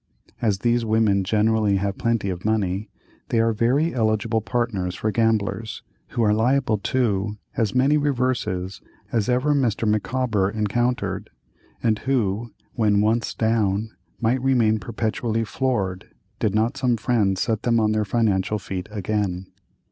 As these women generally have plenty of money, they are very eligible partners for gamblers, who are liable to as many reverses as ever Mr. Micawber encountered, and who, when once down, might remain perpetually floored, did not some kind friend set them on their financial feet again.